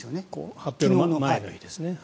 発表の前ですね。